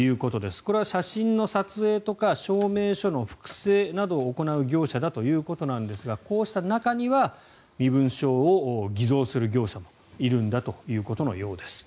これは写真の撮影とか証明書の複製などを行う業者だということですがこうした中には身分証を偽造する業者もいるんだということのようです。